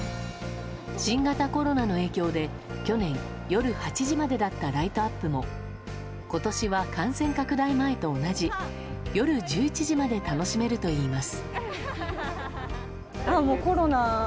新型コロナの影響で去年、夜８時までだったライトアップも今年は感染拡大前と同じ夜１１時まで楽しめるといいます。